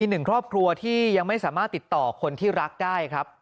หนึ่งครอบครัวที่ยังไม่สามารถติดต่อคนที่รักได้ครับ